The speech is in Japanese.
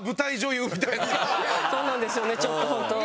そうなんですよねちょっとホント。